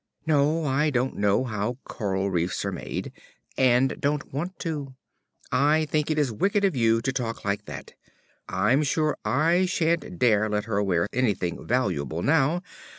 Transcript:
No, I don't know how coral reefs are made, and don't want to. I think it is wicked of you to talk like that; I'm sure I shan't dare let her wear anything valuable now.